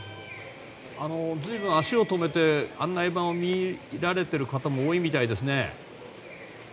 随分、足を止めて案内板を見られている方も多いみたいですね。